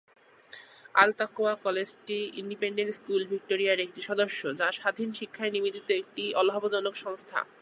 আল-তাকওয়া কলেজটি "independent school ভিক্টোরিয়ার" একটি সদস্য, যা স্বাধীন শিক্ষায় নিবেদিত একটি অলাভজনক সংস্থা।